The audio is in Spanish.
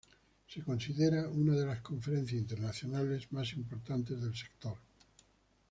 Se considera una de las conferencias internacionales más importantes del sector.